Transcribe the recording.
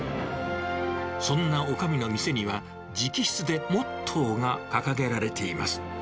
そんなおかみの店には、直筆でモットーが掲げられています。